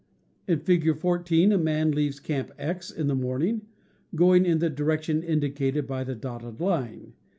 In Fig. 14 a man leaves camp X in the morning, going in the direction indicated by the dotted line.